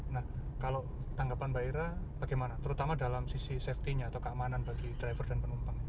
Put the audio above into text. nah kalau tanggapan mbak ira bagaimana terutama dalam sisi safety nya atau keamanan bagi driver dan penumpang